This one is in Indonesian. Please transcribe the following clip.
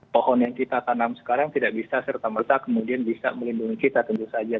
pohon yang kita tanam sekarang tidak bisa serta merta kemudian bisa melindungi kita dari pohon yang kita tanam sekarang